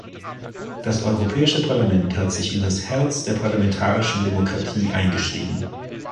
Das Europäische Parlament hat sich in das Herz der parlamentarischen Demokratie eingeschrieben.